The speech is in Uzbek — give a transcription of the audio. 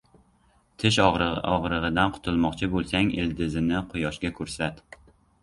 • Tish og‘rig‘idan qutulmoqchi bo‘lsang, ildizini Quyoshga ko‘rsat.